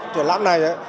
trận lãm này